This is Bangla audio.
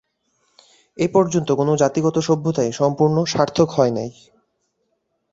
এ পর্যন্ত কোন জাতিগত সভ্যতাই সম্পূর্ণ সার্থক হয় নাই।